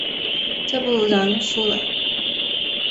再不然输了？